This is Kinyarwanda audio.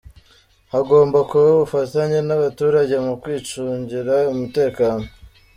Hagomba kuba ubufatanye n’abaturage mu kwicungira umutekano.